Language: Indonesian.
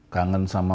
kangen sama puan